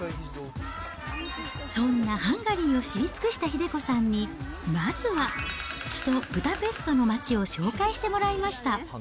そんなハンガリーを知り尽くした英子さんに、まずは、首都ブダペストの街を紹介してもらいました。